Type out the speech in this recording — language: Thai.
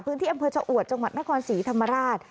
ที่อำเภอชะอวดจังหวัดนครศรีธรรมราช